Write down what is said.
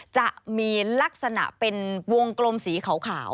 จะมีลักษณะเป็นวงกลมสีขาว